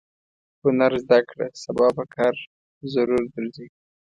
هنر زده کړه سبا پکار ضرور درځي.